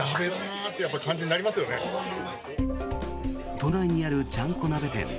都内にある、ちゃんこ鍋店。